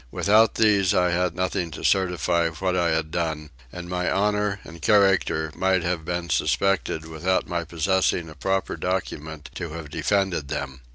Without these I had nothing to certify what I had done, and my honour and character might have been suspected without my possessing a proper document to have defended them.